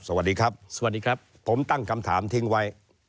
สวัสดีครับผมตั้งคำถามทิ้งไว้